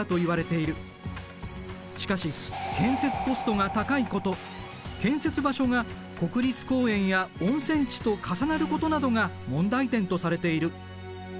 しかし建設コストが高いこと建設場所が国立公園や温泉地と重なることなどが問題点とされている。